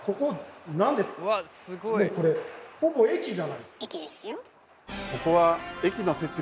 もうこれほぼ駅じゃないですか。